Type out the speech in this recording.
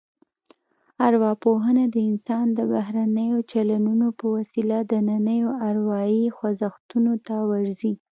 ارواپوهنه د انسان د بهرنیو چلنونو په وسیله دنننیو اروايي خوځښتونو ته ورځي